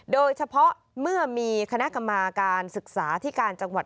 โดยเฉพาะเมื่อมีคณะกรรมการศึกษาที่การจังหวัด